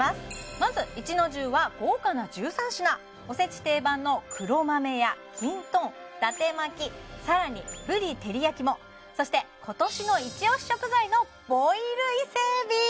まず壱之重は豪華な１３品おせち定番の黒豆やきんとん伊達巻さらにぶり照焼きもそして今年の一押し食材のボイルイセエビ！